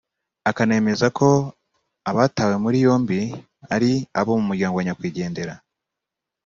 akanemeza ko abatawe muri yombi ari abo mu muryango wa nyakwigendera